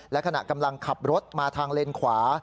และขณะกำลังขับรถมาทางเลนขวา